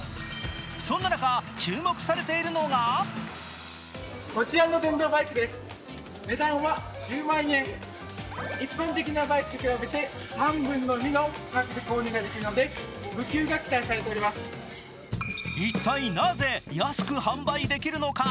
そんな中、注目されているのが一体なぜ安く販売できるのか。